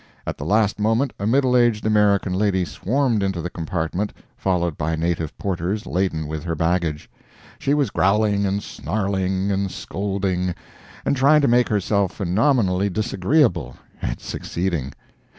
At the last moment, a middle aged American lady swarmed into the compartment, followed by native porters laden with her baggage. She was growling and snarling and scolding, and trying to make herself phenomenally disagreeable; and succeeding.